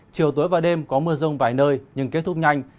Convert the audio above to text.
chiều tối và đêm có mưa rông vài nơi nhưng kết thúc nhanh